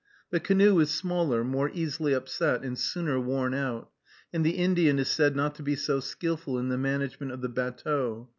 The canoe is smaller, more easily upset, and sooner worn out; and the Indian is said not to be so skillful in the management of the batteau.